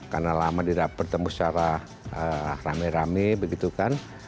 karena lama tidak bertemu secara rame rame begitu kan